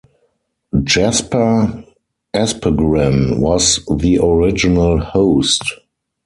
Jesper Aspegren was the original host.